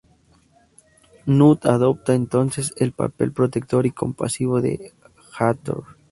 Nut adopta entonces el papel protector y compasivo de Hathor.